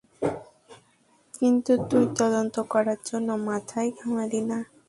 কিন্তু তুই তদন্ত করার জন্য মাথাই ঘামালি না।